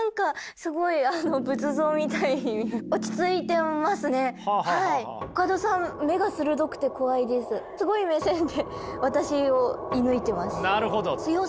すごい目線で私を射ぬいてます。